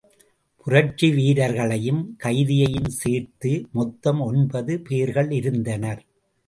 புரட்சி வீரர்களையும் கைதியையும் சேர்த்து மொத்தம் ஒன்பது பேர்களிருந்தனர்.